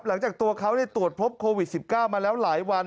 หลังจากตัวเขาตรวจพบโควิด๑๙มาแล้วหลายวัน